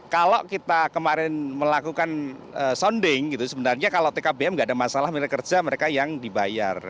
kalau kita kemarin melakukan sounding gitu sebenarnya kalau tkbm nggak ada masalah milik kerja mereka yang dibayar